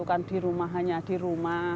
bukan di rumah hanya di rumah